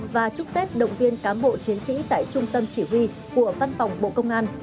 và chúc tết động viên cán bộ chiến sĩ tại trung tâm chỉ huy của văn phòng bộ công an